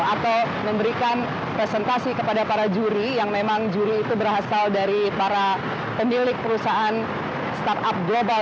atau memberikan presentasi kepada para juri yang memang juri itu berasal dari para pemilik perusahaan startup global